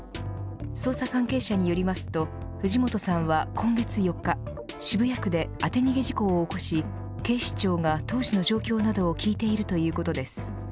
捜査関係者によりますと藤本さんは今月４日渋谷区で当て逃げ事故を起こし警視庁が、当時の状況などを聴いているということです。